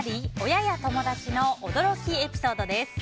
親や友達の驚きエピソードです。